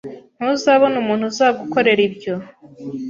Ntuzabona umuntu uzagukorera ibyo.